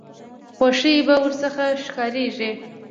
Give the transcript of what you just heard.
خوښي به ورڅخه ښکاریږي.